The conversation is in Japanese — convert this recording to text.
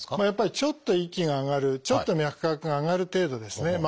やっぱりちょっと息が上がるちょっと脈拍が上がる程度ですね。